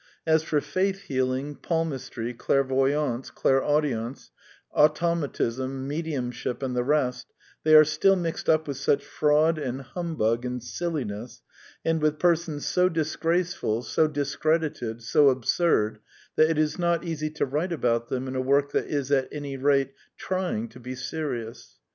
As for faith healing, palmistry, clairvoyance, clair audience, automatism, me diumship, and the rest, they are still mixed up with such fraud and humbug and silliness, and with persons so dis graceful, so discredited, so absurd, that it is not easy to write about them in a work that is, at any rate, trying to be serious.